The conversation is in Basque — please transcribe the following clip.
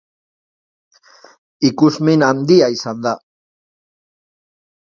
Ikusmin handia izan da.